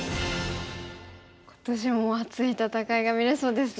今年も熱い戦いが見れそうですね。